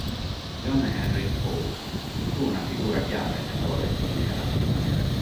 John Henry Faulk fu una figura chiave nel porre fine alla lista nera.